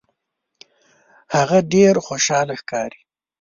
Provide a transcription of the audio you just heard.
هغه ډیر خوشحاله ښکاري.